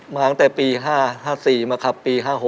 มาตั้งแต่ปี๕๔มาครับปี๕๖